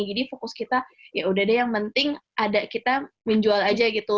jadi fokus kita yaudah deh yang penting ada kita menjual aja gitu